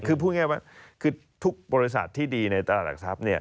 คือพูดง่ายว่าคือทุกบริษัทที่ดีในตลาดหลักทรัพย์